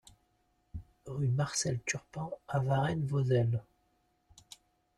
Rue Marcel Turpin à Varennes-Vauzelles